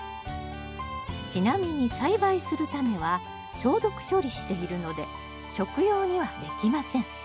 ちなみに栽培するタネは消毒処理しているので食用にはできません